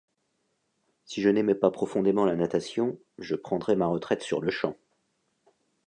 Si je n'aimais pas profondément la natation, je prendrais ma retraite sur le champ.